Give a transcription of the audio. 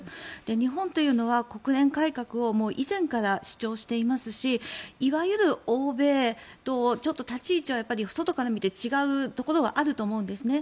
日本というのは国連改革を以前から主張していますしいわゆる欧米とちょっと立ち位置は外から見て違うところはあると思うんです。